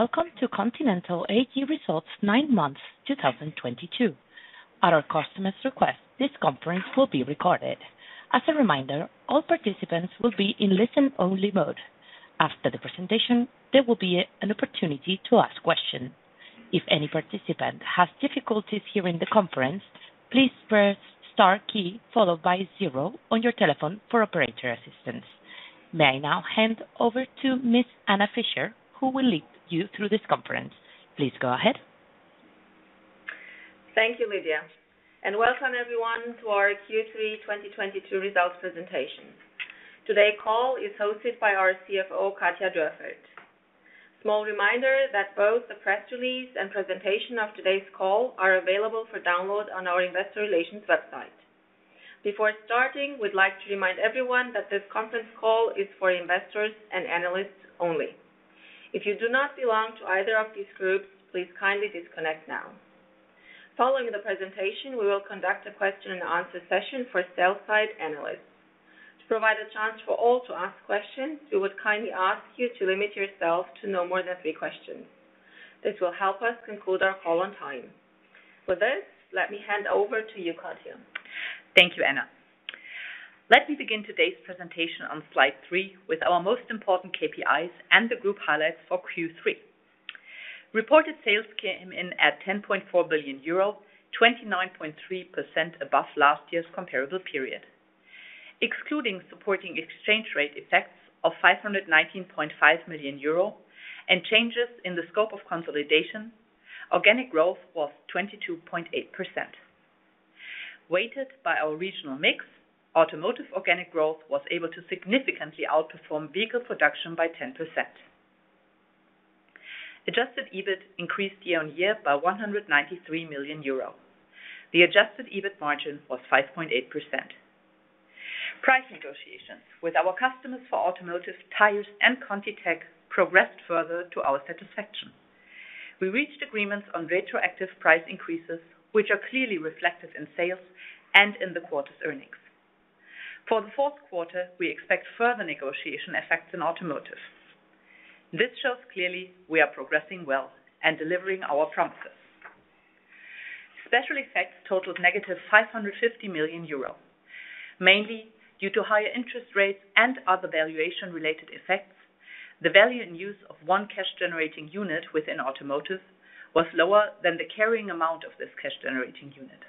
Welcome to Continental AG Results 9 months 2022. At our customer's request, this conference will be recorded. As a reminder, all participants will be in listen-only mode. After the presentation, there will be an opportunity to ask questions. If any participant has difficulties hearing the conference, please press star key followed by zero on your telephone for operator assistance. May I now hand over to Ms. Anna Fischer, who will lead you through this conference. Please go ahead. Thank you, Lidia, and welcome everyone to our Q3 2022 results presentation. Today's call is hosted by our CFO, Katja Dürrfeld. Small reminder that both the press release and presentation of today's call are available for download on our investor relations website. Before starting, we'd like to remind everyone that this conference call is for investors and analysts only. If you do not belong to either of these groups, please kindly disconnect now. Following the presentation, we will conduct a question-and-answer session for sell-side analysts. To provide a chance for all to ask questions, we would kindly ask you to limit yourself to no more than three questions. This will help us conclude our call on time. With this, let me hand over to you, Katja. Thank you, Anna. Let me begin today's presentation on Slide 3 with our most important KPIs and the group highlights for Q3. Reported sales came in at 10.4 billion euro, 29.3% above last year's comparable period. Excluding supporting exchange rate effects of 519.5 million euro and changes in the scope of consolidation, organic growth was 22.8%. Weighted by our regional mix, Automotive organic growth was able to significantly outperform vehicle production by 10%. Adjusted EBIT increased year-on-year by 193 million euro. The adjusted EBIT margin was 5.8%. Price negotiations with our customers for Automotive Tires and ContiTech progressed further to our satisfaction. We reached agreements on retroactive price increases, which are clearly reflected in sales and in the quarter's earnings. For the fourth quarter, we expect further negotiation effects in automotive. This shows clearly we are progressing well and delivering our promises. Special effects totaled negative 550 million euro, mainly due to higher interest rates and other valuation related effects. The value in use of one cash generating unit within automotive was lower than the carrying amount of this cash generating unit.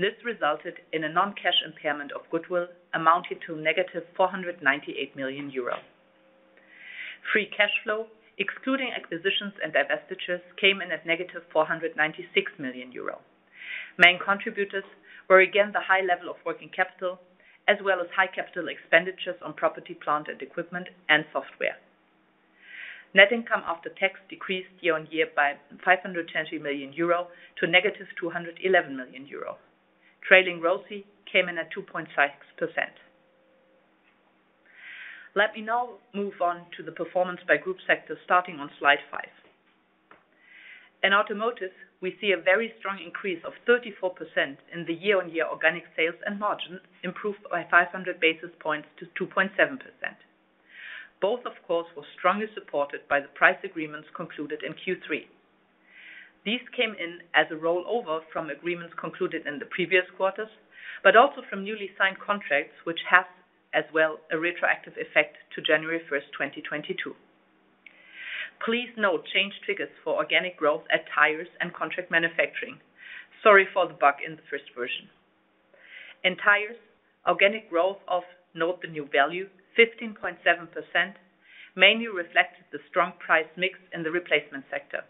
This resulted in a non-cash impairment of goodwill amounting to negative 498 million euros. Free cash flow, excluding acquisitions and divestitures, came in at negative 496 million euro. Main contributors were again the high level of working capital, as well as high capital expenditures on property, plant and equipment and software. Net income after tax decreased year-on-year by 520 million euro to negative 211 million euro. Trailing ROCE came in at 2.5%. Let me now move on to the performance by group sector, starting on Slide 5. In Automotive, we see a very strong increase of 34% in the year-over-year organic sales and margins improved by 500 basis points to 2.7%. Both of course were strongly supported by the price agreements concluded in Q3. These came in as a rollover from agreements concluded in the previous quarters, but also from newly signed contracts, which has as well a retroactive effect to January 1, 2022. Please note change figures for organic growth at Tires and contract manufacturing. Sorry for the bug in the first version. In Tires, organic growth of, note the new value, 15.7% mainly reflected the strong price mix in the replacement sector.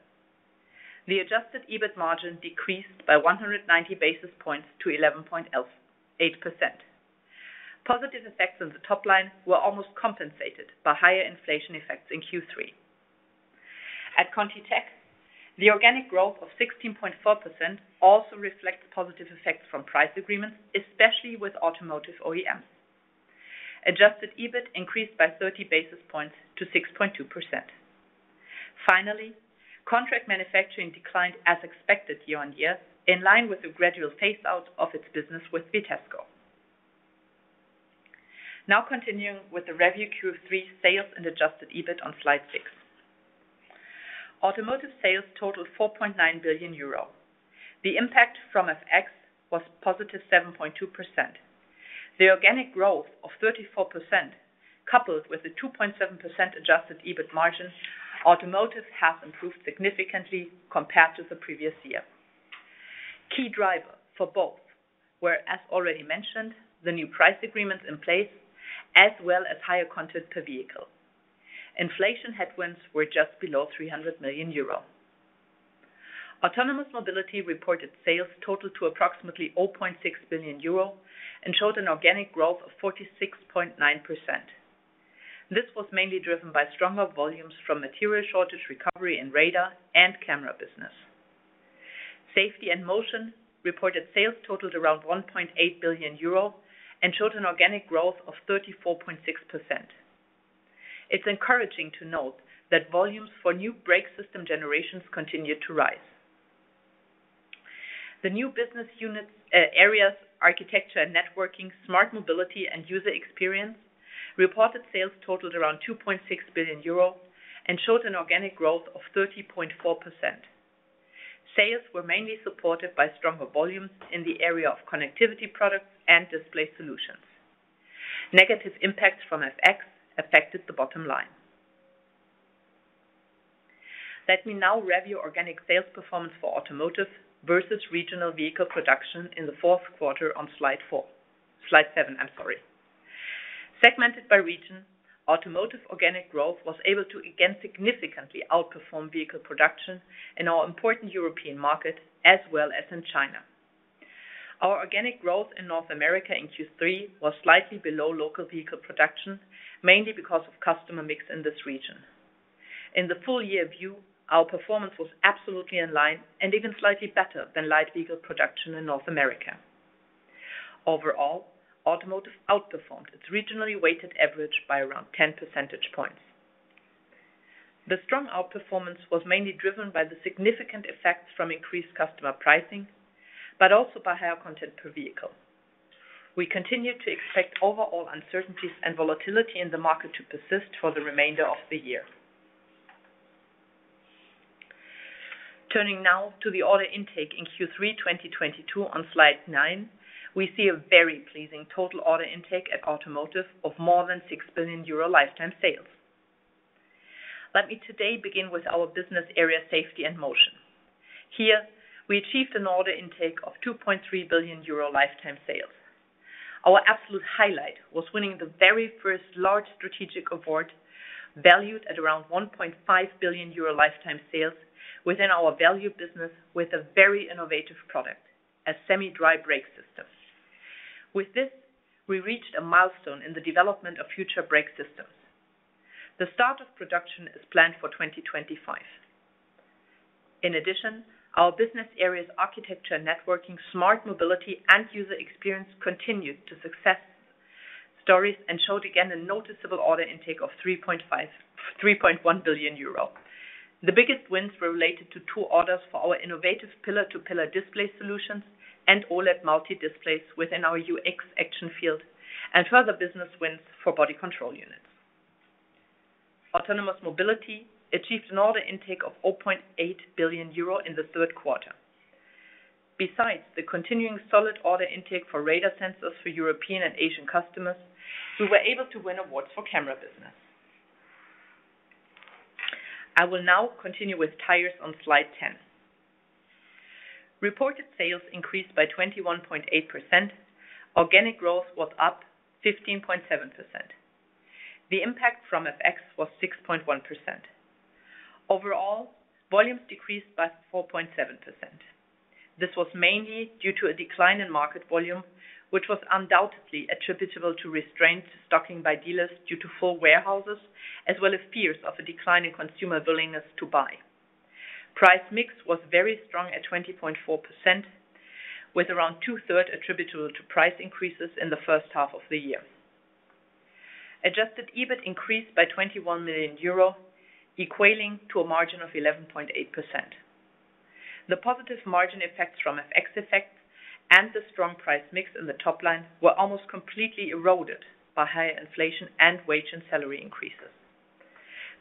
The adjusted EBIT margin decreased by 190 basis points to 11.8%. Positive effects on the top line were almost compensated by higher inflation effects in Q3. At ContiTech, the organic growth of 16.4% also reflects positive effects from price agreements, especially with automotive OEMs. Adjusted EBIT increased by 30 basis points to 6.2%. Finally, contract manufacturing declined as expected year-on-year, in line with the gradual phase out of its business with Vitesco. Now continuing with the review Q3 sales and adjusted EBIT on Slide 6. Automotive sales totaled 4.9 billion euro. The impact from FX was positive 7.2%. The organic growth of 34%, coupled with the 2.7% adjusted EBIT margin, automotive has improved significantly compared to the previous year. Key driver for both were, as already mentioned, the new price agreements in place, as well as higher content per vehicle. Inflation headwinds were just below 300 million euro. Autonomous Mobility reported sales totaled to approximately 0.6 billion euro and showed an organic growth of 46.9%. This was mainly driven by stronger volumes from material shortage recovery in radar and camera business. Safety & Motion reported sales totaled around 1.8 billion euro and showed an organic growth of 34.6%. It's encouraging to note that volumes for new brake system generations continued to rise. The new business unit areas, Architecture and Networking, Smart Mobility and User Experience reported sales totaled around 2.6 billion euro and showed an organic growth of 30.4%. Sales were mainly supported by stronger volumes in the area of connectivity products and display solutions. Negative impacts from FX affected the bottom line. Let me now review organic sales performance for automotive versus regional vehicle production in the fourth quarter on Slide 7. Segmented by region, automotive organic growth was able to again significantly outperform vehicle production in our important European market as well as in China. Our organic growth in North America in Q3 was slightly below local vehicle production, mainly because of customer mix in this region. In the full year view, our performance was absolutely in line and even slightly better than light vehicle production in North America. Overall, automotive outperformed its regionally weighted average by around 10 percentage points. The strong outperformance was mainly driven by the significant effects from increased customer pricing, but also by higher content per vehicle. We continue to expect overall uncertainties and volatility in the market to persist for the remainder of the year. Turning now to the order intake in Q3 2022 on Slide 9, we see a very pleasing total order intake at Automotive of more than 6 billion euro lifetime sales. Let me today begin with our business area Safety & Motion. Here, we achieved an order intake of 2.3 billion euro lifetime sales. Our absolute highlight was winning the very first large strategic award valued at around 1.5 billion euro lifetime sales within our value business with a very innovative product, a semi-dry brake system. With this, we reached a milestone in the development of future brake systems. The start of production is planned for 2025. In addition, our business areas Architecture and Networking, Smart Mobility and User Experience continued to success stories and showed again a noticeable order intake of 3.1 billion euro. The biggest wins were related to two orders for our innovative Pillar-to-Pillar display solutions and OLED multi displays within our UX action field and further business wins for body control units. Autonomous Mobility achieved an order intake of 0.8 billion euro in the third quarter. Besides the continuing solid order intake for radar sensors for European and Asian customers, we were able to win awards for camera business. I will now continue with Tires on Slide 10. Reported sales increased by 21.8%. Organic growth was up 15.7%. The impact from FX was 6.1%. Overall, volumes decreased by 4.7%. This was mainly due to a decline in market volume, which was undoubtedly attributable to restrained stocking by dealers due to full warehouses, as well as fears of a decline in consumer willingness to buy. Price mix was very strong at 20.4%, with around two-thirds attributable to price increases in the first half of the year. Adjusted EBIT increased by EUR 21 million, equal to a margin of 11.8%. The positive margin effects from FX effects and the strong price mix in the top line were almost completely eroded by higher inflation and wage and salary increases.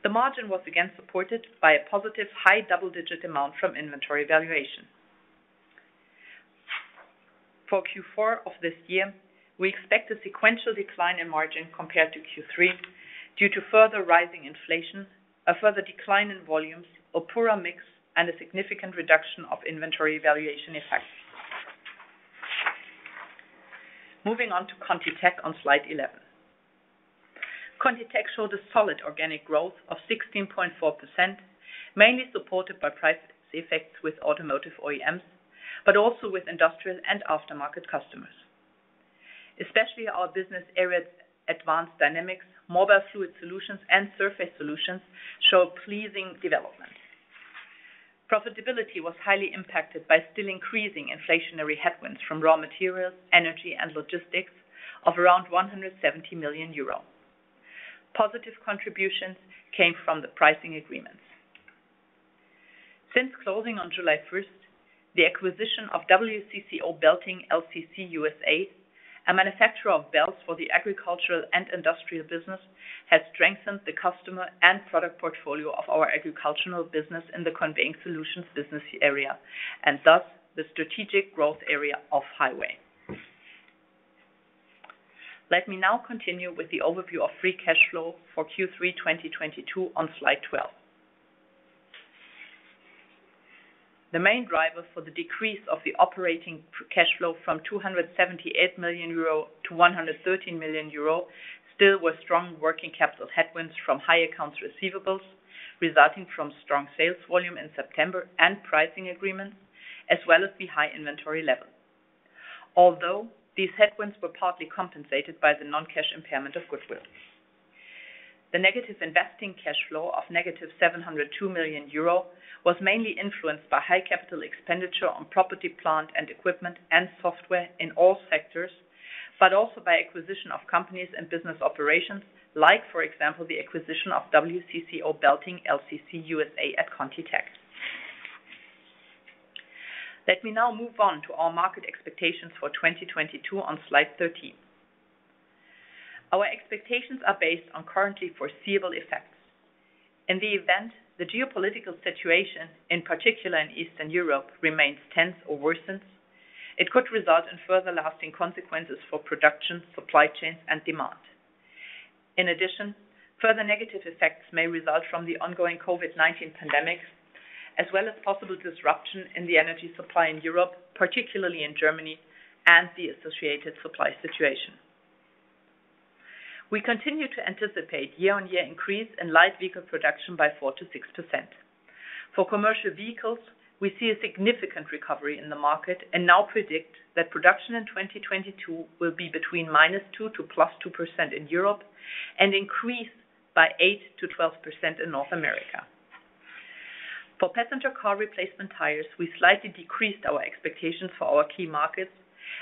The margin was again supported by a positive high double-digit amount from inventory valuation. For Q4 of this year, we expect a sequential decline in margin compared to Q3 due to further rising inflation, a further decline in volumes, a poorer mix, and a significant reduction of inventory valuation effects. Moving on to ContiTech on Slide 11. ContiTech showed a solid organic growth of 16.4%, mainly supported by price effects with automotive OEMs, but also with industrial and aftermarket customers. Especially our business areas, Advanced Dynamics, Mobile Fluid Systems, and Surface Solutions show a pleasing development. Profitability was highly impacted by still increasing inflationary headwinds from raw materials, energy, and logistics of around 170 million euro. Positive contributions came from the pricing agreements. Since closing on July first, the acquisition of WCCO Belting Inc., U.S.A., a manufacturer of belts for the agricultural and industrial business, has strengthened the customer and product portfolio of our agricultural business in the Conveying Solutions business area, and thus, the strategic growth area Off-Highway. Let me now continue with the overview of free cash flow for Q3 2022 on Slide 12. The main driver for the decrease of the operating cash flow from 278 million euro to 113 million euro still with strong working capital headwinds from high accounts receivables, resulting from strong sales volume in September and pricing agreements, as well as the high inventory level. Although these headwinds were partly compensated by the non-cash impairment of goodwill. The negative investing cash flow of negative 702 million euro was mainly influenced by high capital expenditure on property, plant, and equipment and software in all sectors, also by acquisition of companies and business operations like, for example, the acquisition of WCCO Belting Inc. U.S.A. At ContiTech. Let me now move on to our market expectations for 2022 on Slide 13. Our expectations are based on currently foreseeable effects. In the event the geopolitical situation, in particular in Eastern Europe, remains tense or worsens, it could result in further lasting consequences for production, supply chains and demand. In addition, further negative effects may result from the ongoing COVID-19 pandemic, as well as possible disruption in the energy supply in Europe, particularly in Germany, and the associated supply situation. We continue to anticipate year-on-year increase in light vehicle production by 4% to 6%. For commercial vehicles, we see a significant recovery in the market and now predict that production in 2022 will be between -2% to +2% in Europe and increase by 8% to 12% in North America. For passenger car replacement tires, we slightly decreased our expectations for our key markets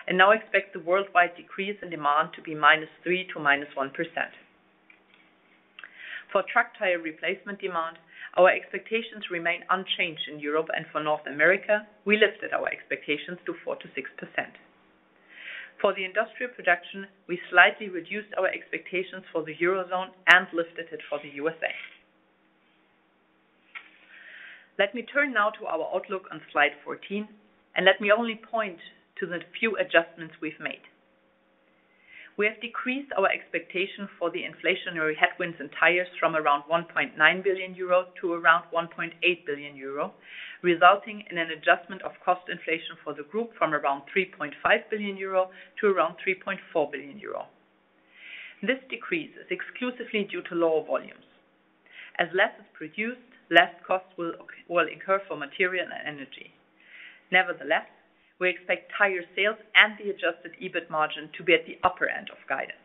and now expect the worldwide decrease in demand to be -3% to -1%. For truck tire replacement demand, our expectations remain unchanged in Europe, and for North America, we lifted our expectations to 4% to 6%. For the industrial production, we slightly reduced our expectations for the Eurozone and lifted it for the U.S.A. Let me turn now to our outlook on Slide 14 and let me only point to the few adjustments we've made. We have decreased our expectation for the inflationary headwinds and tires from around 1.9 billion euro to around 1.8 billion euro, resulting in an adjustment of cost inflation for the group from around 3.5 billion euro to around 3.4 billion euro. This decreases exclusively due to lower volumes. As less is produced, less costs will incur for material and energy. Nevertheless, we expect higher sales and the adjusted EBIT margin to be at the upper end of guidance.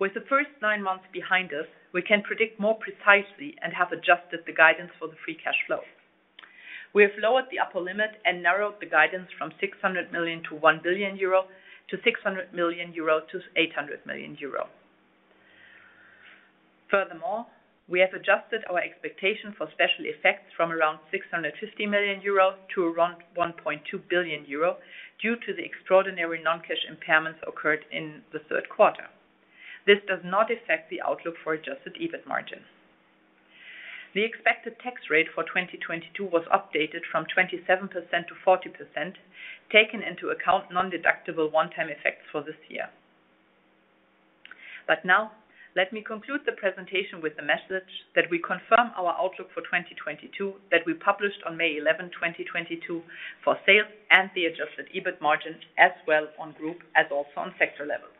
With the first nine months behind us, we can predict more precisely and have adjusted the guidance for the free cash flow. We have lowered the upper limit and narrowed the guidance from 600 million to 1 billion euro to 600 million euro to 800 million euro. Furthermore, we have adjusted our expectation for special effects from around 650 million euro to around 1.2 billion euro due to the extraordinary non-cash impairments occurred in the third quarter. This does not affect the outlook for adjusted EBIT margins. The expected tax rate for 2022 was updated from 27% to 40%, taken into account non-deductible one-time effects for this year. Now let me conclude the presentation with the message that we confirm our outlook for 2022 that we published on May 11, 2022, for sales and the adjusted EBIT margin as well on group as also on sector levels.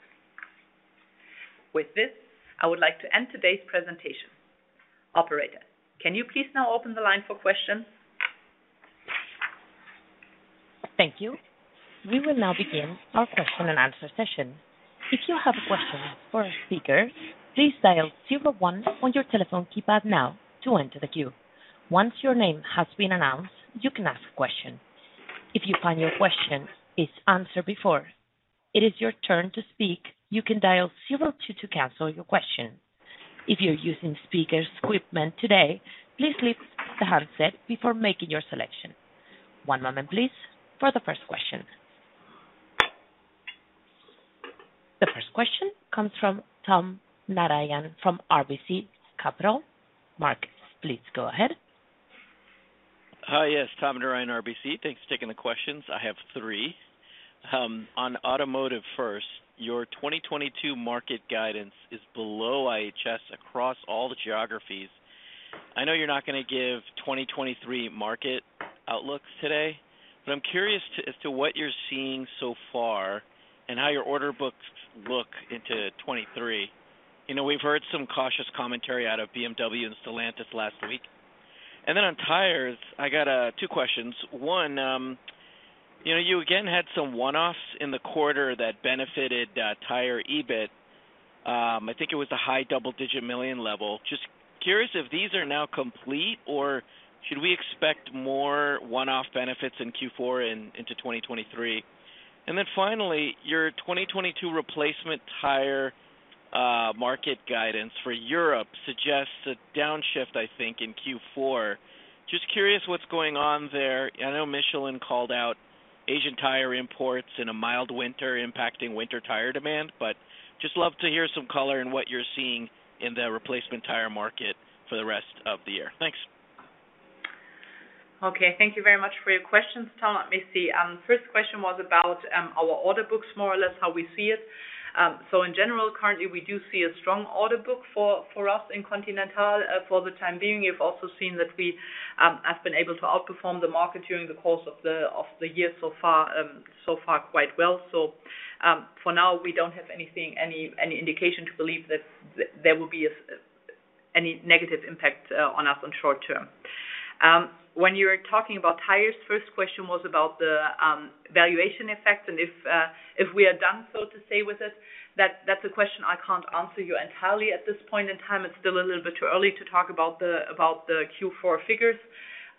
With this, I would like to end today's presentation. Operator, can you please now open the line for questions? Thank you. We will now begin our question and answer session. If you have a question for a speaker, please dial zero one on your telephone keypad now to enter the queue. Once your name has been announced, you can ask a question. If you find your question is answered before it is your turn to speak, you can dial zero two to cancel your question. If you're using speakers equipment today, please leave the handset before making your selection. One moment, please, for the first question. The first question comes from Tom Narayan from RBC Capital Markets. Mark, please go ahead. Hi. Yes, Tom Narayan, RBC. Thanks for taking the questions. I have three. On automotive first, your 2022 market guidance is below IHS across all the geographies. I know you're not going to give 2023 market outlooks today, but I'm curious as to what you're seeing so far and how your order books look into 2023. You know, we've heard some cautious commentary out of BMW and Stellantis last week. Then on tires, I got two questions. One, you know, you again had some one-offs in the quarter that benefited tire EBIT. I think it was a high double-digit million EUR level. Just curious if these are now complete, or should we expect more one-off benefits in Q4 and into 2023? And finally your 2022 replacement tire market guidance for Europe suggests a downshift, I think, in Q4. Just curious what's going on there. I know Michelin called out Asian tire imports in a mild winter impacting winter tire demand, but just love to hear some color in what you're seeing in the replacement tire market for the rest of the year. Thanks. Okay. Thank you very much for your questions, Tom. Let me see. First question was about our order books, more or less how we see it. So in general, currently we do see a strong order book for us in Continental for the time being. You've also seen that we have been able to outperform the market during the course of the year so far quite well. So for now, we don't have anything, any indication to believe that there will be any negative impact on us in the short term. When you are talking about tires, first question was about the valuation effect and if we are done, so to say, with it. That's a question I can't answer you entirely at this point in time. It's still a little bit too early to talk about the Q4 figures.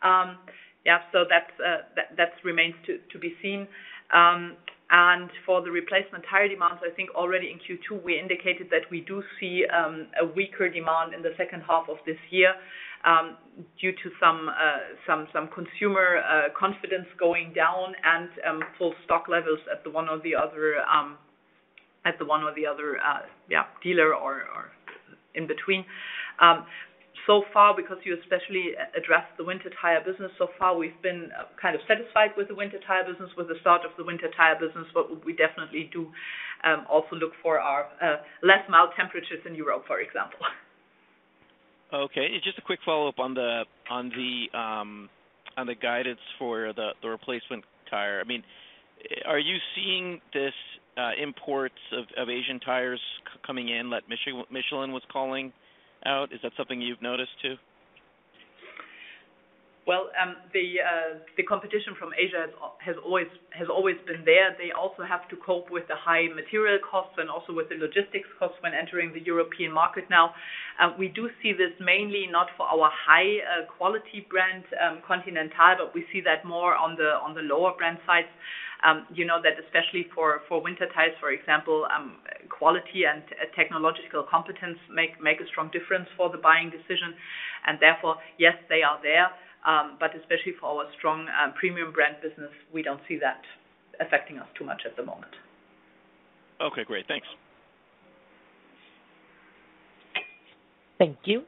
That remains to be seen. For the replacement tire demands, I think already in Q2 we indicated that we do see a weaker demand in the second half of this year due to some consumer confidence going down and full stock levels at the one or the other dealer or in between. So far, because you especially addressed the winter tire business, so far, we've been kind of satisfied with the winter tire business, with the start of the winter tire business. We definitely do also look forward to less mild temperatures in Europe, for example. Okay. Just a quick follow-up on the guidance for the replacement tire. I mean, are you seeing these imports of Asian tires coming in, like Michelin was calling out? Is that something you've noticed too? Well, the competition from Asia has always been there. They also have to cope with the high material costs and also with the logistics costs when entering the European market now. We do see this mainly not for our high quality brand, Continental, but we see that more on the lower brand sides. You know that especially for winter tires, for example, quality and technological competence make a strong difference for the buying decision. Therefore, yes, they are there. Especially for our strong premium brand business, we don't see that affecting us too much at the moment. Okay, great. Thanks. Thank you.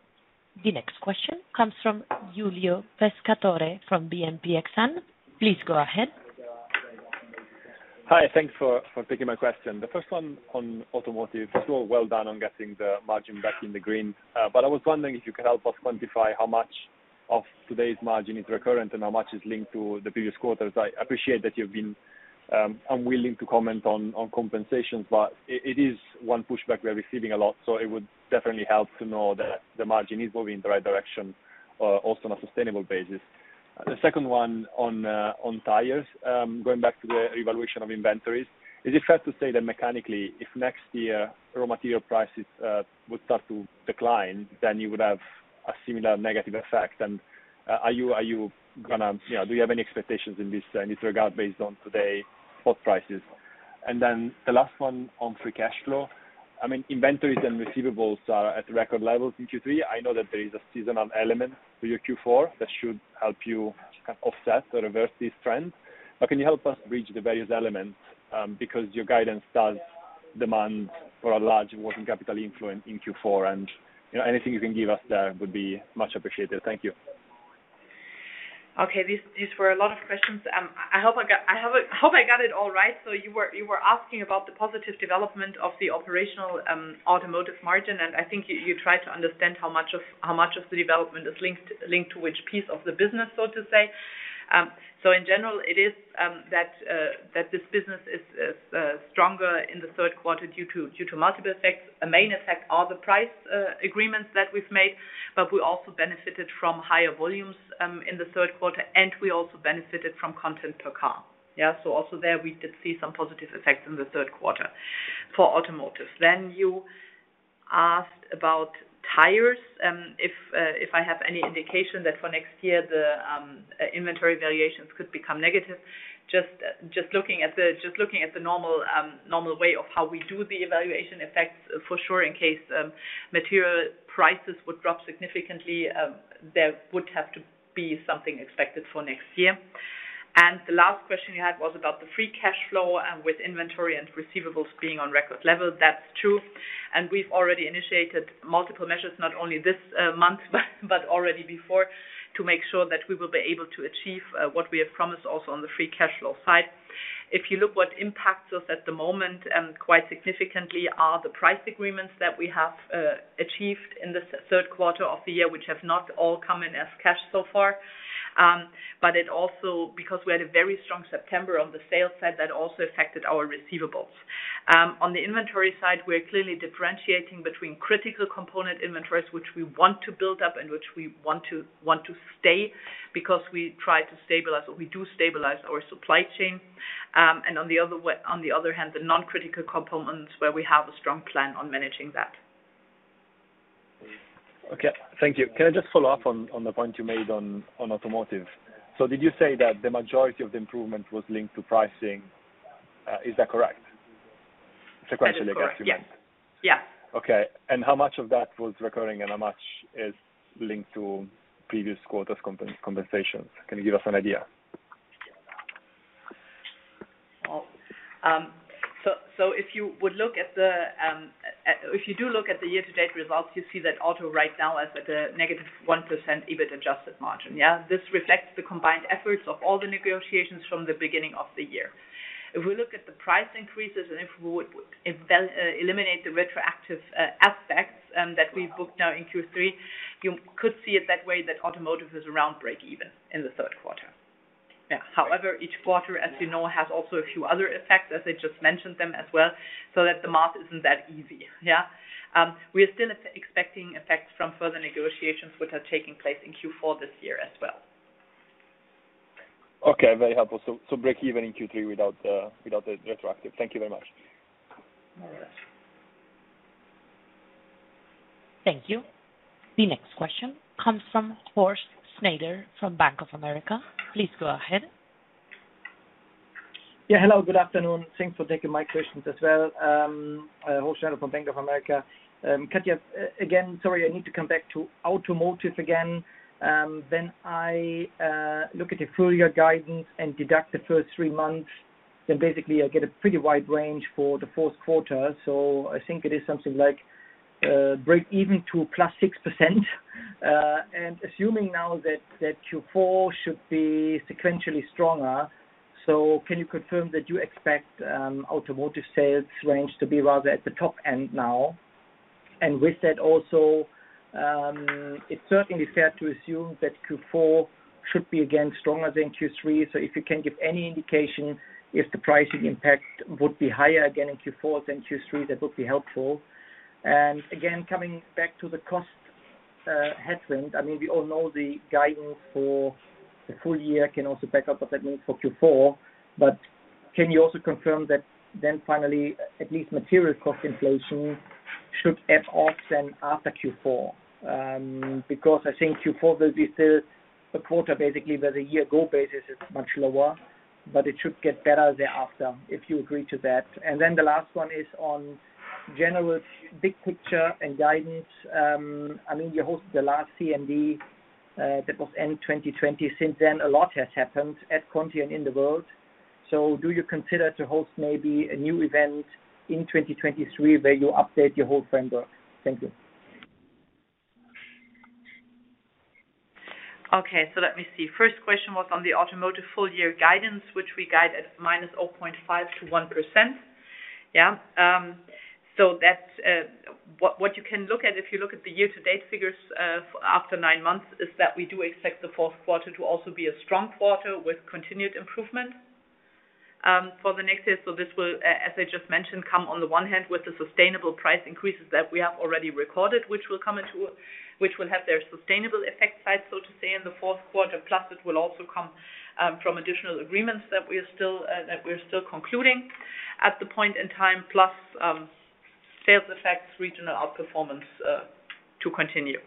The next question comes from Giulio Pescatore from BNP Paribas Exane. Please go ahead. Hi. Thanks for taking my question. The first one on automotive. First of all, well done on getting the margin back in the green. But I was wondering if you could help us quantify how much of today's margin is recurrent and how much is linked to the previous quarters. I appreciate that you've been unwilling to comment on compensations, but it is one pushback we are receiving a lot. It would definitely help to know that the margin is moving in the right direction, also on a sustainable basis. The second one on tires, going back to the revaluation of inventories. Is it fair to say that mechanically, if next year raw material prices would start to decline, then you would have a similar negative effect? And are you gonna... You know, do you have any expectations in this, in this regard based on today spot prices? The last one on free cash flow. I mean, inventories and receivables are at record levels in Q3. I know that there is a seasonal element for your Q4 that should help you kind of offset or reverse these trends, but can you help us bridge the various elements? Because your guidance does demand for a large working capital influence in Q4 and, you know, anything you can give us there would be much appreciated. Thank you. Okay. These were a lot of questions. I hope I got it all right. You were asking about the positive development of the operational Automotive margin, and I think you tried to understand how much of the development is linked to which piece of the business, so to say. In general, it is that this business is stronger in the third quarter due to multiple effects. A main effect are the price agreements that we've made, but we also benefited from higher volumes in the third quarter, and we also benefited from content per car. Yeah, also there we did see some positive effects in the third quarter for Automotive. You asked about tires, if I have any indication that for next year the inventory valuations could become negative. Just looking at the normal way of how we do the valuation effects, for sure, in case material prices would drop significantly, there would have to be something expected for next year. The last question you had was about the free cash flow, with inventory and receivables being on record level. That's true, and we've already initiated multiple measures, not only this month, but already before, to make sure that we will be able to achieve what we have promised also on the free cash flow side. If you look at what impacts us at the moment, quite significantly are the price agreements that we have achieved in the third quarter of the year, which have not all come in as cash so far. It also, because we had a very strong September on the sales side, that also affected our receivables. On the inventory side, we're clearly differentiating between critical component inventories, which we want to build up and which we want to stay because we try to stabilize, or we do stabilize our supply chain. On the other hand, the non-critical components where we have a strong plan on managing that. Okay. Thank you. Can I just follow up on the point you made on Automotive? Did you say that the majority of the improvement was linked to pricing? Is that correct? Sequentially, that's the- That is correct. Yes. Yeah. Okay. How much of that was recurring and how much is linked to previous quarters compensations? Can you give us an idea? If you look at the year-to-date results, you see that auto right now is at a -1% EBIT adjusted margin, yeah. This reflects the combined efforts of all the negotiations from the beginning of the year. If we look at the price increases and if we eliminate the retroactive aspects that we've booked now in Q3, you could see it that way, that automotive is around breakeven in the third quarter. Yeah. However, each quarter, as you know, has also a few other effects, as I just mentioned them as well, so that the math isn't that easy, yeah. We are still expecting effects from further negotiations which are taking place in Q4 this year as well. Okay, very helpful. Breakeven in Q3 without the retroactive. Thank you very much. All right. Thank you. The next question comes from Horst Schneider from Bank of America. Please go ahead. Yeah, hello, good afternoon. Thanks for taking my questions as well. Horst Schneider from Bank of America. Katja, again, sorry, I need to come back to automotive again. When I look at the full year guidance and deduct the first three months, then basically I get a pretty wide range for the fourth quarter. I think it is something like break even to +6%. Assuming now that Q4 should be sequentially stronger, can you confirm that you expect automotive sales range to be rather at the top end now? With that also, it's certainly fair to assume that Q4 should be again stronger than Q3. If you can give any indication if the pricing impact would be higher again in Q4 than Q3, that would be helpful. Coming back to the cost headwind, I mean, we all know the guidance for the full year can also back up what that means for Q4. But can you also confirm that then finally, at least material cost inflation should ebb off then after Q4? Because I think Q4 will be still a quarter basically where the year ago basis is much lower, but it should get better thereafter, if you agree to that. Then the last one is on general big picture and guidance. I mean, you hosted the last CMD, that was end 2020. Since then, a lot has happened at Continental and in the world. Do you consider to host maybe a new event in 2023 where you update your whole framework? Thank you. Okay. Let me see. First question was on the Automotive full year guidance, which we guide at -0.5% to 1%. Yeah. That's what you can look at if you look at the year-to-date figures after nine months. We do expect the fourth quarter to also be a strong quarter with continued improvement for the next year. This will, as I just mentioned, come on the one hand with the sustainable price increases that we have already recorded, which will have their sustainable effect side, so to say, in the fourth quarter. Plus it will also come from additional agreements that we're still concluding at the point in time, plus sales effects, regional outperformance to continue.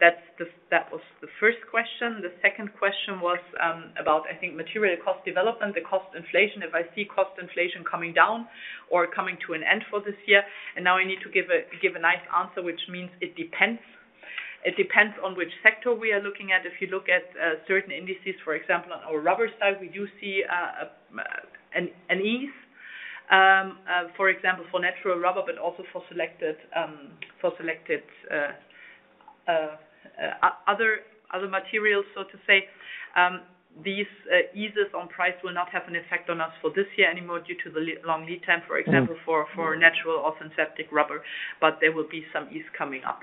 That's the That was the first question. The second question was about, I think, material cost development, the cost inflation. If I see cost inflation coming down or coming to an end for this year, and now I need to give a nice answer, which means it depends. It depends on which sector we are looking at. If you look at certain indices, for example, on our rubber side, we do see an ease, for example, for natural rubber, but also for selected other materials, so to say. These eases on price will not have an effect on us for this year anymore due to the long lead time, for example, for natural or synthetic rubber, but there will be some ease coming up.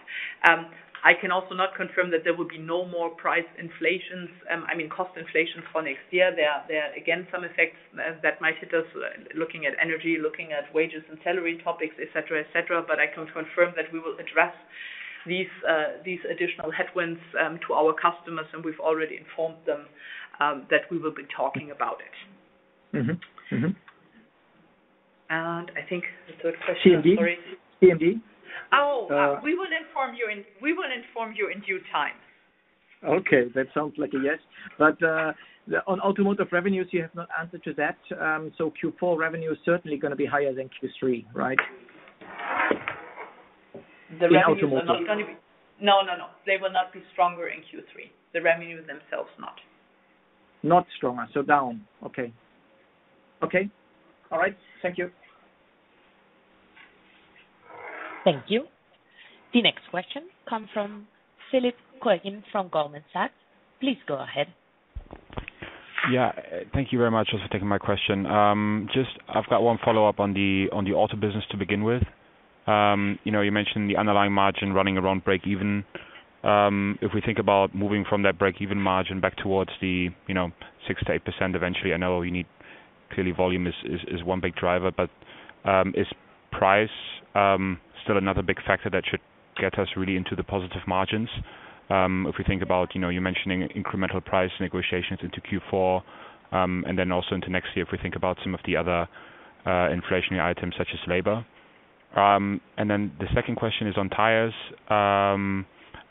I can also not confirm that there will be no more price inflations, I mean, cost inflations for next year. There are again some effects that might hit us looking at energy, looking at wages and salary topics, et cetera. I can confirm that we will address these additional headwinds to our customers, and we've already informed them that we will be talking about it. Mm-hmm. Mm-hmm. I think the third question, I'm sorry. CMD? We will inform you in due time. Okay. That sounds like a yes. On Automotive revenues, you have not answered to that. Q4 revenue is certainly gonna be higher than Q3, right? In Automotive. No, no. They will not be stronger in Q3. The revenues themselves not. Not stronger. Down. Okay. All right. Thank you. Thank you. The next question come from Philipp Koenig from Goldman Sachs. Please go ahead. Yeah. Thank you very much for taking my question. Just I've got one follow-up on the auto business to begin with. You know, you mentioned the underlying margin running around break even. If we think about moving from that break even margin back towards the, you know, 6% to 8% eventually, I know you need. Clearly volume is one big driver, but is price still another big factor that should get us really into the positive margins? If we think about, you know, you mentioning incremental price negotiations into Q4 and then also into next year, if we think about some of the other inflationary items such as labor. The second question is on tires.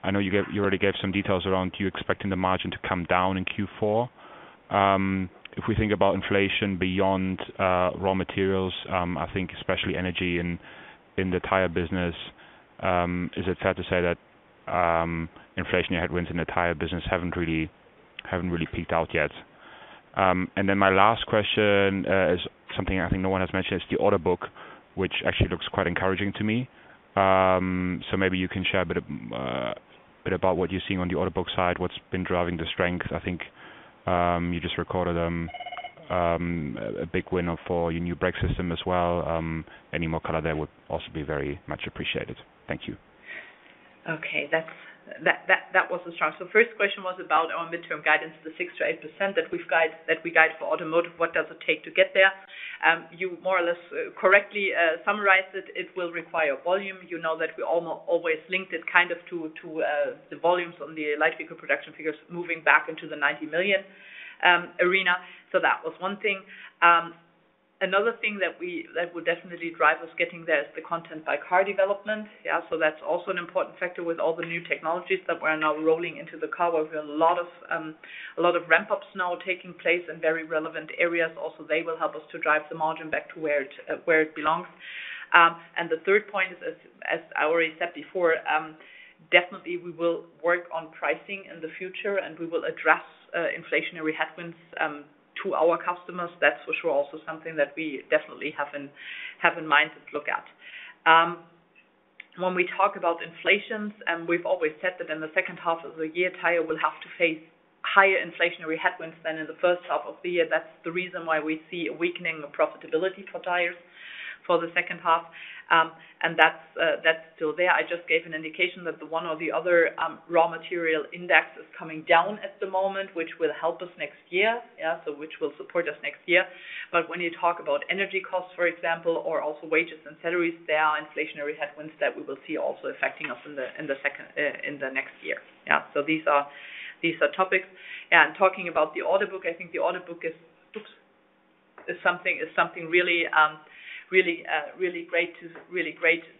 I know you already gave some details around you expecting the margin to come down in Q4. If we think about inflation beyond raw materials, I think especially energy in the tire business, is it fair to say that inflationary headwinds in the tire business haven't really peaked out yet? Then my last question is something I think no one has mentioned. It's the order book, which actually looks quite encouraging to me. Maybe you can share a bit about what you're seeing on the order book side, what's been driving the strength. I think you just recorded a big win for your new brake system as well. Any more color there would also be very much appreciated. Thank you. Okay. That was a strong. First question was about our midterm guidance, the 6% to 8% that we guide for automotive. What does it take to get there? You more or less correctly summarized it. It will require volume. You know that we always linked it kind of to the volumes on the light vehicle production figures moving back into the 90 million arena. That was one thing. Another thing that we would definitely drive us getting there is the content per car development. Yeah, that's also an important factor with all the new technologies that we're now rolling into the car. We have a lot of a lot of ramp-ups now taking place in very relevant areas. They will help us to drive the margin back to where it belongs. The third point is, as I already said before, definitely we will work on pricing in the future, and we will address inflationary headwinds to our customers. That's for sure also something that we definitely have in mind to look at. When we talk about inflation, and we've always said that in the second half of the year, Tires will have to face higher inflationary headwinds than in the first half of the year. That's the reason why we see a weakening of profitability for Tires for the second half. That's still there. I just gave an indication that the one or the other raw material index is coming down at the moment, which will help us next year. Which will support us next year. When you talk about energy costs, for example, or also wages and salaries, there are inflationary headwinds that we will see also affecting us in the next year. Yeah, these are topics. Talking about the order book, I think the order book is something really great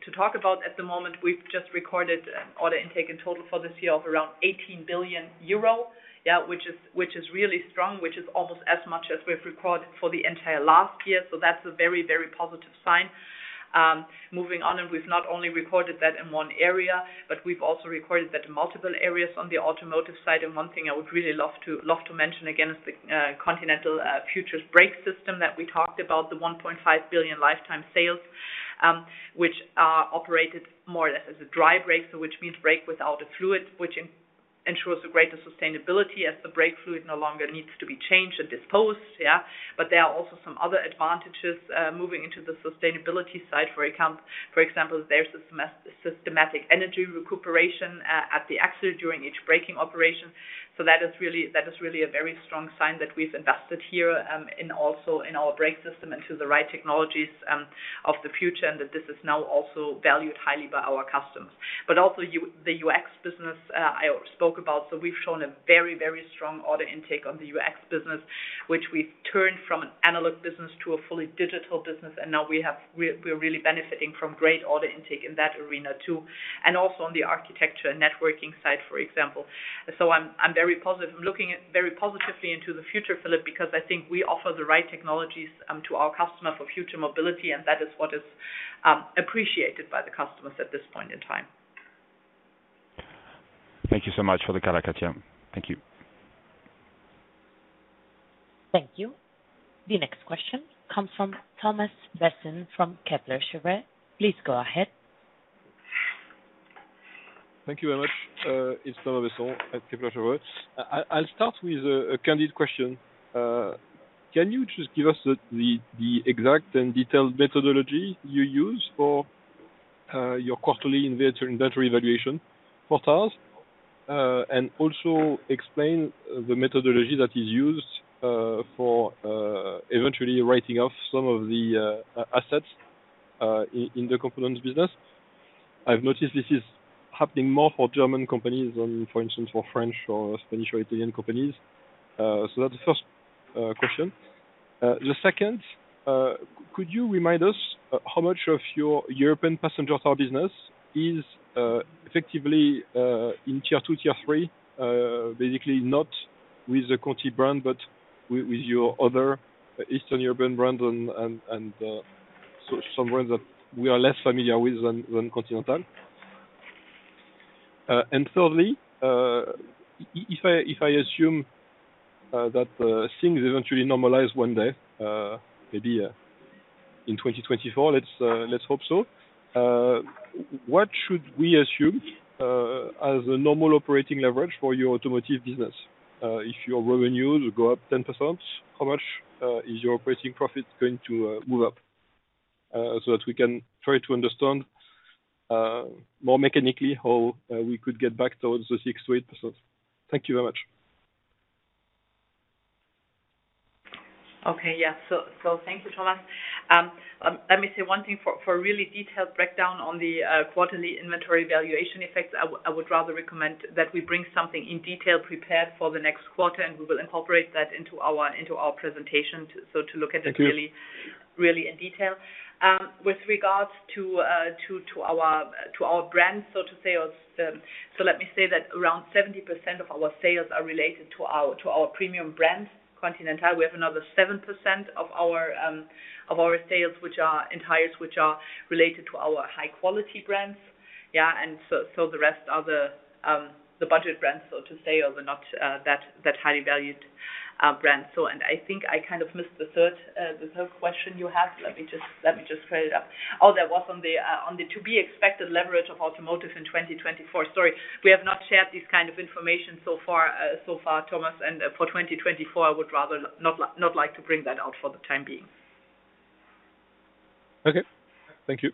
to talk about at the moment. We've just recorded an order intake in total for this year of around 18 billion euro. Yeah, which is really strong, which is almost as much as we've recorded for the entire last year. That's a very positive sign. Moving on, we've not only recorded that in one area, but we've also recorded that in multiple areas on the automotive side. One thing I would really love to mention again is the Continental's Future Brake System that we talked about, the 1.5 billion lifetime sales, which are operated more or less as a semi-dry brake, so which means brake without a fluid, which ensures a greater sustainability as the brake fluid no longer needs to be changed and disposed. There are also some other advantages moving into the sustainability side, for example, there's a systematic energy recuperation at the axle during each braking operation. That is really a very strong sign that we've invested here also in our brake system into the right technologies of the future, and that this is now also valued highly by our customers. Also the UX business I spoke about. We've shown a very, very strong order intake on the UX business, which we've turned from an analog business to a fully digital business. Now we're really benefiting from great order intake in that arena too, and also on the Architecture and Networking side, for example. I'm very positive. I'm looking at very positively into the future, Philipp, because I think we offer the right technologies to our customer for future mobility, and that is what is appreciated by the customers at this point in time. Thank you so much for the color, Katja. Thank you. Thank you. The next question comes from Thomas Besson from Kepler Cheuvreux. Please go ahead. Thank you very much. It's Thomas Besson at Kepler Cheuvreux. I'll start with a candid question. Can you just give us the exact and detailed methodology you use for your quarterly inventory valuation for tires? And also explain the methodology that is used for eventually writing off some of the assets in the components business. I've noticed this is happening more for German companies than, for instance, for French or Spanish or Italian companies. So that's the first question. The second, could you remind us how much of your European passenger tire business is effectively in tier two, tier three, basically not with the Conti brand, but with your other Eastern European brands and some brands that we are less familiar with than Continental. Thirdly, if I assume that things eventually normalize one day, maybe in 2024, let's hope so, what should we assume as a normal operating leverage for your automotive business? If your revenues go up 10%, how much is your operating profit going to move up? So that we can try to understand more mechanically how we could get back towards the 6% to 8%. Thank you very much. Okay. Yeah. Thank you, Thomas. Let me say one thing. For a really detailed breakdown on the quarterly inventory valuation effects, I would rather recommend that we bring something in detail prepared for the next quarter, and we will incorporate that into our presentation to look at it. Thank you. Really in detail. With regards to our brands, so to say, or so let me say that around 70% of our sales are related to our premium brands, Continental. We have another 7% of our sales which are in tires which are related to our high-quality brands. The rest are the budget brands, so to say, or the not that highly valued brands. I think I kind of missed the third question you had. Let me just write it up. That was on the to-be expected leverage of Automotive in 2024. Sorry, we have not shared this kind of information so far, Thomas. For 2024, I would rather not like to bring that out for the time being. Okay. Thank you.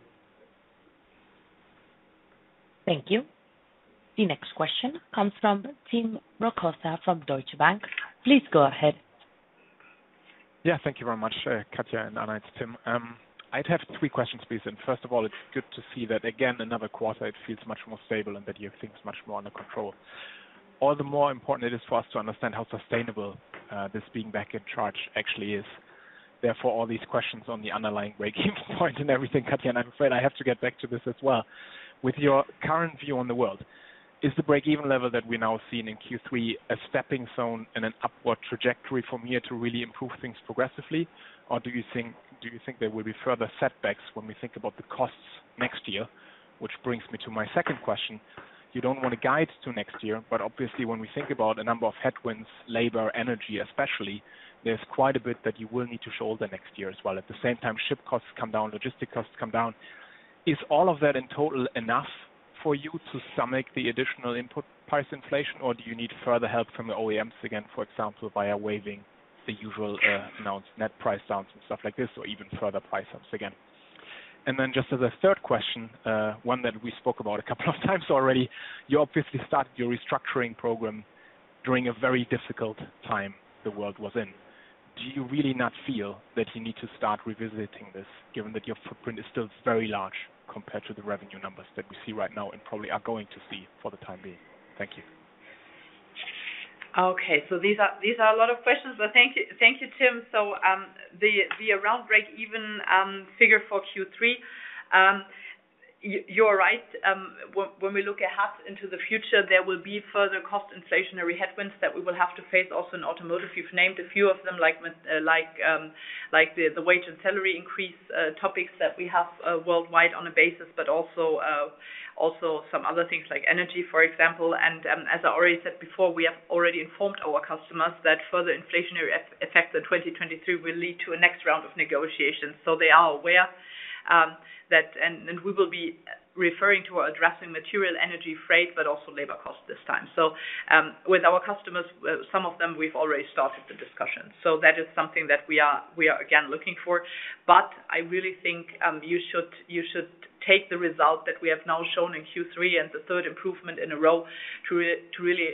Thank you. The next question comes from Tim Rokossa from Deutsche Bank. Please go ahead. Yeah. Thank you very much, Katja and Anna. It's Tim. I'd have three questions, please. First of all, it's good to see that again, another quarter, it feels much more stable and that everything's much more under control. All the more important it is for us to understand how sustainable this being back in charge actually is. Therefore, all these questions on the underlying break-even point and everything, Katja, and I'm afraid I have to get back to this as well. With your current view on the world, is the break-even level that we're now seeing in Q3 a stepping stone and an upward trajectory from here to really improve things progressively? Or do you think there will be further setbacks when we think about the costs next year? Which brings me to my second question. You don't want to guide to next year, but obviously, when we think about a number of headwinds, labor, energy, especially, there's quite a bit that you will need to shoulder next year as well. At the same time, shipping costs come down, logistics costs come down. Is all of that in total enough for you to stomach the additional input price inflation, or do you need further help from the OEMs again, for example, via waiving the usual, you know, net price downs and stuff like this, so even further price ups again? Just as a third question, one that we spoke about a couple of times already, you obviously started your restructuring program during a very difficult time the world was in. Do you really not feel that you need to start revisiting this given that your footprint is still very large compared to the revenue numbers that we see right now and probably are going to see for the time being? Thank you. Okay. These are a lot of questions, but thank you. Thank you, Tim. The around break-even figure for Q3, you are right, when we look ahead into the future, there will be further cost inflationary headwinds that we will have to face also in automotive. You've named a few of them, like the wage and salary increase topics that we have worldwide on a basis, but also some other things like energy, for example. As I already said before, we have already informed our customers that further inflationary effects of 2023 will lead to a next round of negotiations. They are aware that we will be referring to or addressing material, energy, freight, but also labor cost this time. With our customers, some of them, we've already started the discussions. That is something that we are again looking for. But I really think you should take the result that we have now shown in Q3 as the third improvement in a row to really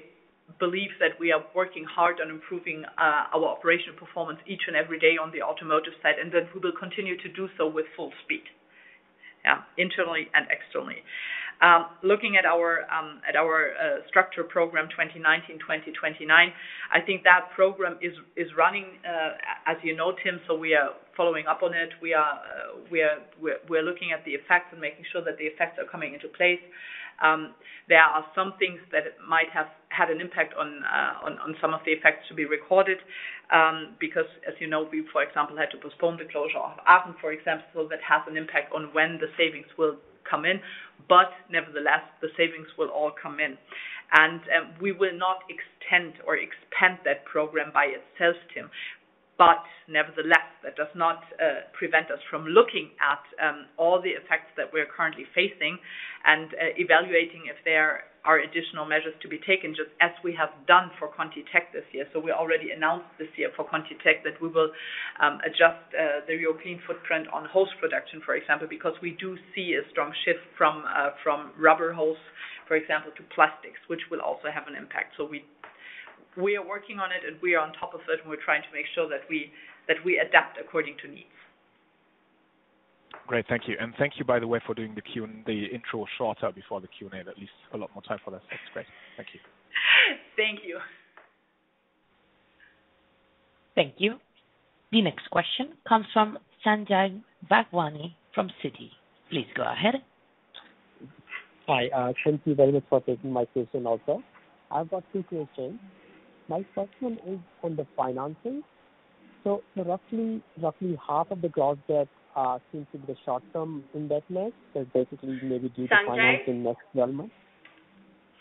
believe that we are working hard on improving our operational performance each and every day on the automotive side, and then we will continue to do so with full speed. Yeah. Internally and externally. Looking at our restructuring program 2019/2029, I think that program is running as you know, Tim, so we are following up on it. We are looking at the effects and making sure that the effects are coming into place. There are some things that might have had an impact on some of the effects to be recorded, because as you know, we for example had to postpone the closure of Aachen, for example, that has an impact on when the savings will come in. Nevertheless, the savings will all come in. We will not extend or expand that program by itself, Tim. Nevertheless, that does not prevent us from looking at all the effects that we're currently facing and evaluating if there are additional measures to be taken, just as we have done for ContiTech this year. We already announced this year for ContiTech that we will adjust the European footprint on hose production, for example, because we do see a strong shift from rubber hose, for example, to plastics, which will also have an impact. We are working on it and we are on top of it, and we're trying to make sure that we adapt according to needs. Great. Thank you. Thank you, by the way, for doing the intro shorter before the Q&A. That leaves a lot more time for this. That's great. Thank you. Thank you. Thank you. The next question comes from Sanjay Bhagwani from Citi. Please go ahead. Hi, thank you very much for taking my question also. I've got two questions. My first one is on the financing. Roughly half of the gross debt seems to be the short-term indebtedness that basically may be due to finance. Sanjay? In the next 12 months.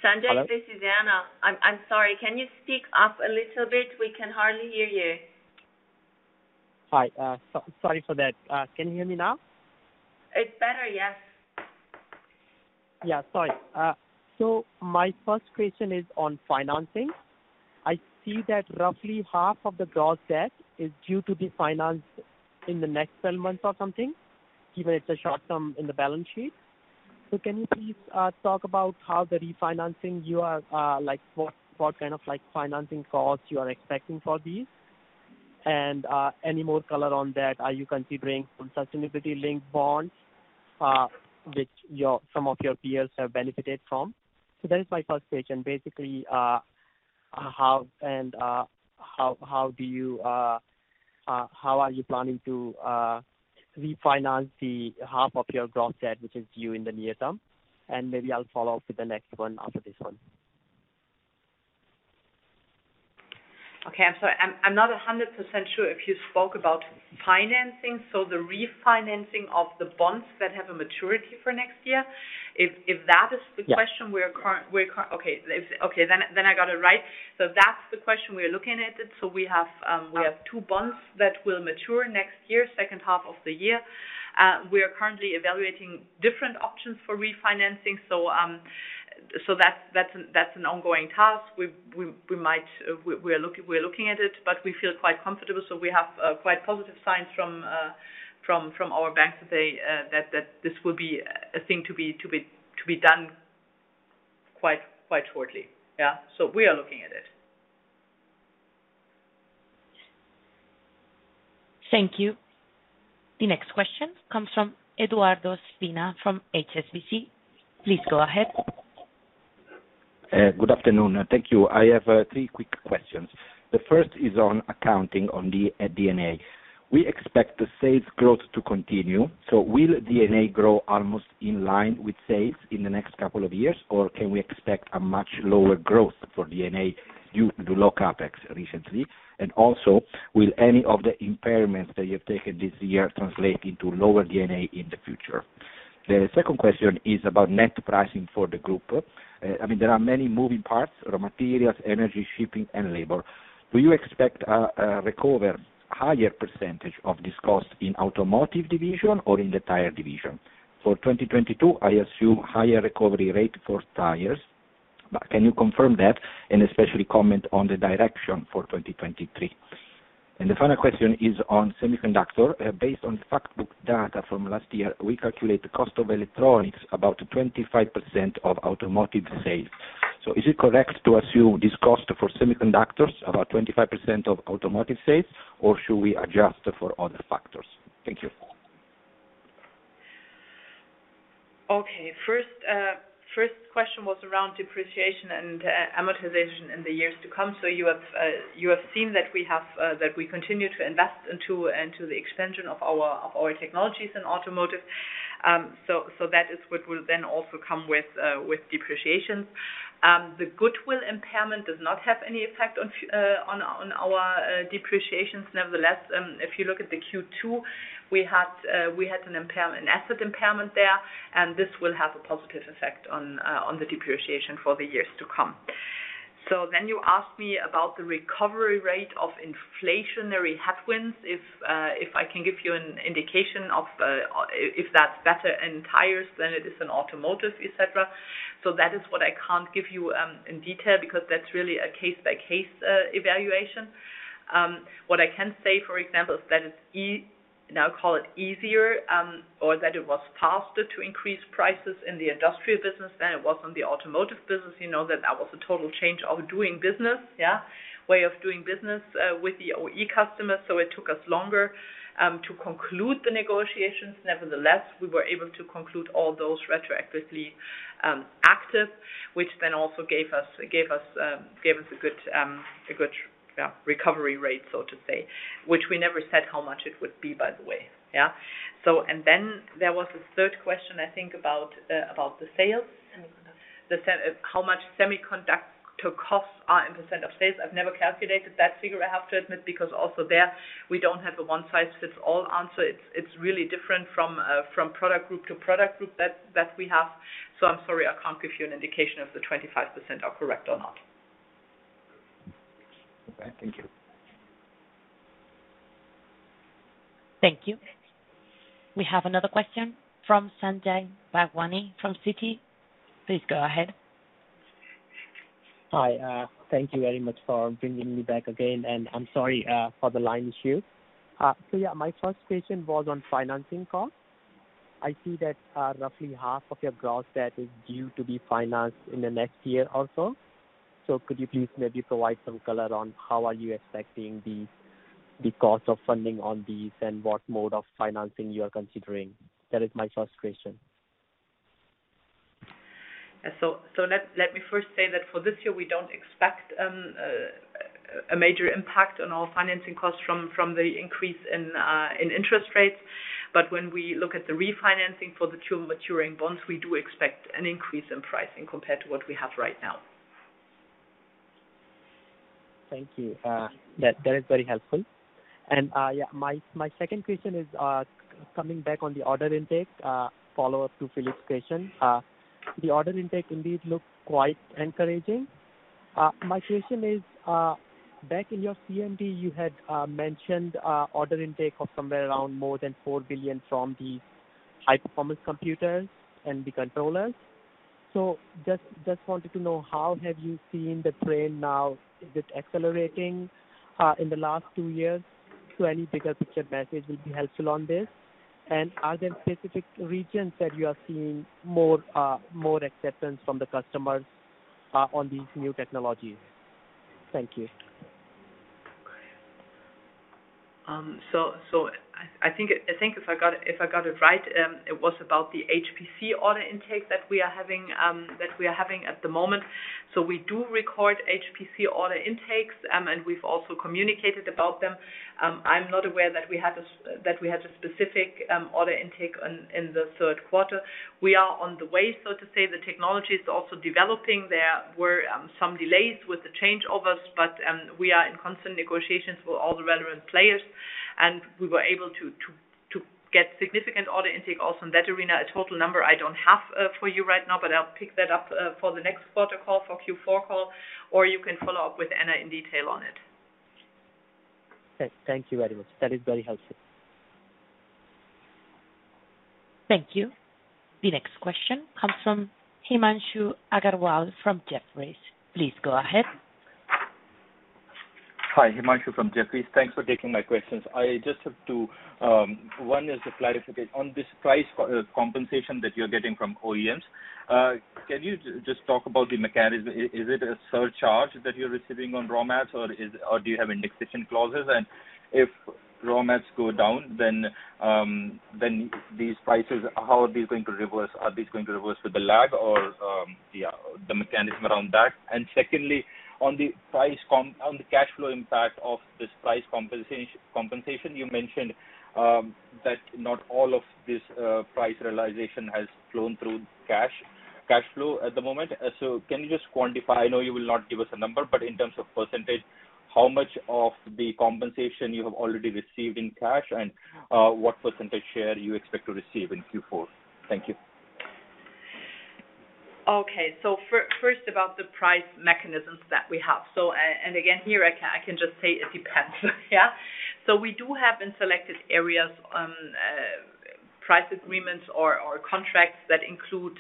Sanjay- Hello? This is Anna. I'm sorry. Can you speak up a little bit? We can hardly hear you. Hi. Sorry for that. Can you hear me now? It's better, yes. Yeah, sorry. My first question is on financing. I see that roughly half of the gross debt is due to be financed in the next seven months or something, given it's a short-term in the balance sheet. Can you please talk about, like, what kind of financing costs you are expecting for these? Any more color on that, are you considering some sustainability-linked bonds, which some of your peers have benefited from? That is my first question, basically, how are you planning to refinance the half of your gross debt, which is due in the near term? Maybe I'll follow up with the next one after this one. Okay. I'm sorry. I'm not 100% sure if you spoke about financing, so the refinancing of the bonds that have a maturity for next year. If that is the question? Yeah. I got it right. That's the question, we are looking at it. We have two bonds that will mature next year, second half of the year. We are currently evaluating different options for refinancing. That's an ongoing task. We might, we're looking at it, but we feel quite comfortable. We have quite positive signs from our banks that this will be a thing to be done quite shortly. Yeah. We are looking at it. Thank you. The next question comes from Edoardo Spina from HSBC. Please go ahead. Good afternoon. Thank you. I have three quick questions. The first is on accounting on the D&A. We expect the sales growth to continue, so will D&A grow almost in line with sales in the next couple of years, or can we expect a much lower growth for D&A due to low CapEx recently? Also, will any of the impairments that you've taken this year translate into lower D&A in the future? The second question is about net pricing for the group. I mean, there are many moving parts, raw materials, energy, shipping, and labor. Do you expect to recover a higher percentage of this cost in Automotive division or in the Tires division? For 2022, I assume higher recovery rate for Tires, but can you confirm that, and especially comment on the direction for 2023? The final question is on semiconductor. Based on fact book data from last year, we calculate the cost of electronics about 25% of automotive sales. Is it correct to assume this cost for semiconductors, about 25% of automotive sales, or should we adjust for other factors? Thank you. Okay. First question was around depreciation and amortization in the years to come. You have seen that we continue to invest into the extension of our technologies in Automotive. That is what will then also come with depreciation. The goodwill impairment does not have any effect on our depreciations. Nevertheless, if you look at the Q2, we had an impairment, an asset impairment there, and this will have a positive effect on the depreciation for the years to come. Then you asked me about the recovery rate of inflationary headwinds, if I can give you an indication of if that's better in Tires than it is in Automotive, et cetera. That is what I can't give you in detail because that's really a case-by-case evaluation. What I can say, for example, is that it's easier and I'll call it easier or that it was faster to increase prices in the industrial business than it was on the Automotive business. You know that was a total change of way of doing business with the OE customers, so it took us longer to conclude the negotiations. Nevertheless, we were able to conclude all those retroactively active, which then also gave us a good recovery rate, so to say, which we never said how much it would be, by the way, yeah. And then there was a third question, I think, about the sales. Semiconductor. How much semiconductor costs are in % of sales. I've never calculated that figure, I have to admit, because also there we don't have a one-size-fits-all answer. It's really different from product group to product group that we have. I'm sorry, I can't give you an indication if the 25% are correct or not. Okay, thank you. Thank you. We have another question from Sanjay Bhagwani from Citi. Please go ahead. Hi. Thank you very much for bringing me back again, and I'm sorry for the line issue. Yeah, my first question was on financing cost. I see that, roughly half of your gross that is due to be financed in the next year or so. Could you please maybe provide some color on how are you expecting the cost of funding on these and what mode of financing you are considering? That is my first question. Let me first say that for this year, we don't expect a major impact on our financing costs from the increase in interest rates. When we look at the refinancing for the two maturing bonds, we do expect an increase in pricing compared to what we have right now. Thank you. That is very helpful. My second question is coming back on the order intake, follow-up to Philipp's question. The order intake indeed look quite encouraging. My question is back in your CMD, you had mentioned order intake of somewhere around more than 4 billion from the high-performance computers and the controllers. Just wanted to know how have you seen the trend now? Is it accelerating in the last two years? Any bigger picture message would be helpful on this. Are there specific regions that you are seeing more acceptance from the customers on these new technologies? Thank you. I think if I got it right, it was about the HPC order intake that we are having at the moment. We do record HPC order intakes, and we've also communicated about them. I'm not aware that we had a specific order intake in the third quarter. We are on the way, so to say. The technology is also developing. There were some delays with the changeovers, but we are in constant negotiations with all the relevant players, and we were able to get significant order intake also in that arena. A total number I don't have for you right now, but I'll pick that up for the next quarter call, for Q4 call, or you can follow up with Anna in detail on it. Okay. Thank you very much. That is very helpful. Thank you. The next question comes from Himanshu Agarwal from Jefferies. Please go ahead. Hi. Himanshu from Jefferies. Thanks for taking my questions. I just have two, one is a clarification on this price compensation that you're getting from OEMs. Can you just talk about the mechanism? Is it a surcharge that you're receiving on raw mats, or do you have indexation clauses? If raw mats go down, then these prices, how are these going to reverse? Are these going to reverse with a lag or the mechanism around that. Secondly, on the cash flow impact of this price compensation, you mentioned that not all of this price realization has flown through cash flow at the moment. So can you just quantify? I know you will not give us a number, but in terms of percentage, how much of the compensation you have already received in cash and, what percentage share you expect to receive in Q4? Thank you. Okay. First about the price mechanisms that we have. Again, here I can just say it depends. Yeah. We do have in selected areas price agreements or contracts that include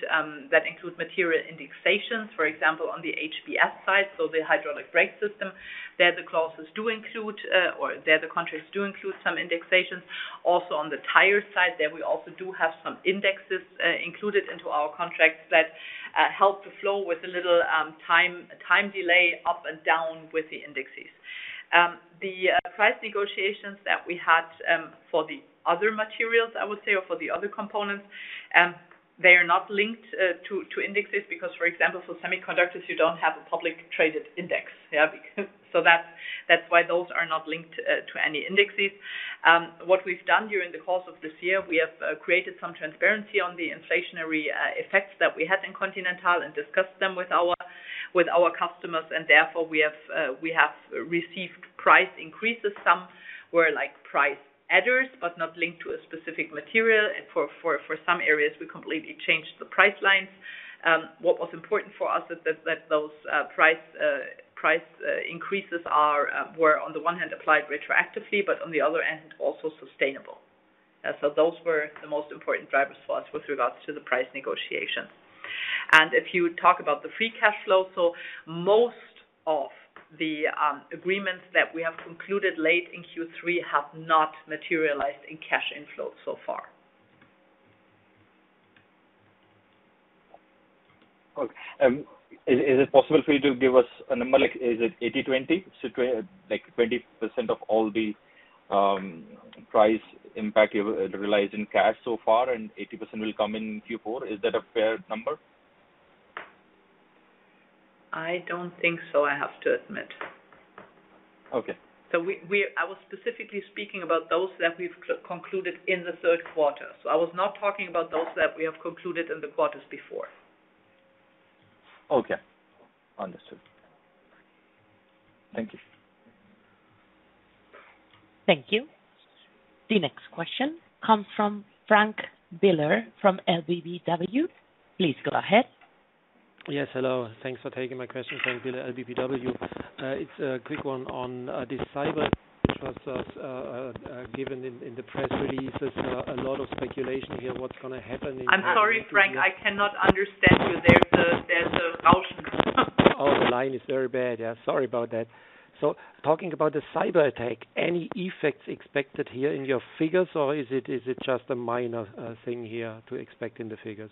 material indexations, for example, on the HBS side, so the hydraulic brake system. There, the contracts do include some indexations. Also on the tire side, there we also do have some indexes included into our contracts that help the flow with a little time delay up and down with the indexes. The price negotiations that we had for the other materials, I would say, or for the other components, they are not linked to indexes because, for example, for semiconductors, you don't have a publicly traded index. Yeah. That's why those are not linked to any indexes. What we've done during the course of this year, we have created some transparency on the inflationary effects that we had in Continental and discussed them with our customers, and therefore we have received price increases. Some were like price adders but not linked to a specific material. For some areas we completely changed the price lines. What was important for us is that those price increases were on the one hand applied retroactively, but on the other hand, also sustainable. Those were the most important drivers for us with regards to the price negotiation. If you talk about the free cash flow, so most of the agreements that we have concluded late in Q3 have not materialized in cash inflows so far. Okay. Is it possible for you to give us a number? Like, is it 80/20? Like, 20% of all the price impact you've realized in cash so far and 80% will come in Q4. Is that a fair number? I don't think so, I have to admit. Okay. I was specifically speaking about those that we've concluded in the third quarter. I was not talking about those that we have concluded in the quarters before. Okay. Understood. Thank you. Thank you. The next question comes from Frank Biller from LBBW. Please go ahead. Yes, hello. Thanks for taking my question. Frank Biller, LBBW. It's a quick one on this cyberattack that's given in the press releases. A lot of speculation here, what's gonna happen in- I'm sorry, Frank, I cannot understand you. There's a Rauschen. Oh, the line is very bad. Yeah, sorry about that. Talking about the cyberattack, any effects expected here in your figures, or is it just a minor thing here to expect in the figures?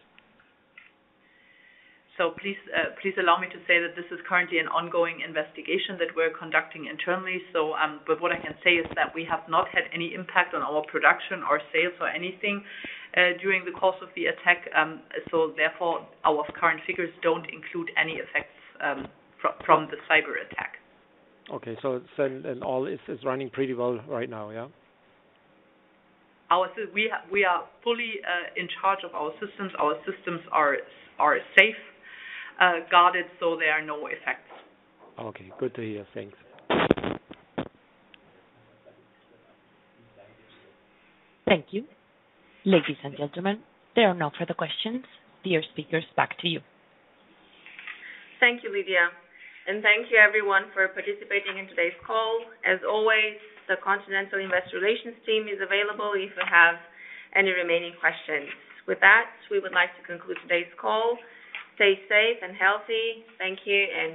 Please allow me to say that this is currently an ongoing investigation that we're conducting internally. What I can say is that we have not had any impact on our production or sales or anything during the course of the attack. Therefore, our current figures don't include any effects from the cyberattack. Okay. All is running pretty well right now, yeah? We are fully in charge of our systems. Our systems are safeguarded, so there are no effects. Okay. Good to hear. Thanks. Thank you. Ladies and gentlemen, there are no further questions. Dear speakers, back to you. Thank you, Lidia. Thank you everyone for participating in today's call. As always, the Continental Investor Relations team is available if you have any remaining questions. With that, we would like to conclude today's call. Stay safe and healthy. Thank you and goodbye.